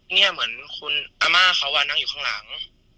เนี้ยเหมือนคุณอ๋อมา่อยู่ข้างหลัง